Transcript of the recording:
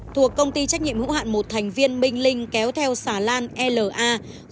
thuộc công ty trách nhiệm hữu hạn một thành viên minh linh kéo theo xà lan la sáu nghìn tám trăm tám mươi ba